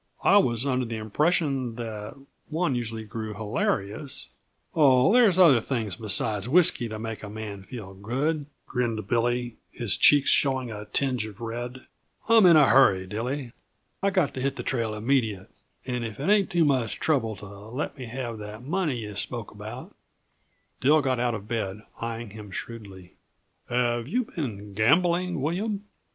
I was under the impression that one usually grew hilarious " "Oh, there's other things besides whisky to make a man feel good," grinned Billy, his cheeks showing a tinge of red. "I'm in a hurry, Dilly. I've got to hit the trail immediate and if it ain't too much trouble to let me have that money yuh spoke about " Dill got out of bed, eying him shrewdly. "Have you been gambling, William?"